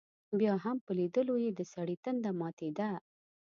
بیا هم په لیدلو یې دسړي تنده ماتېده.